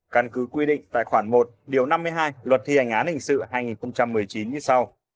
căn cứ quy định tài khoản một điều năm mươi hai luật thi hành án hình sự hai nghìn một mươi chín như sau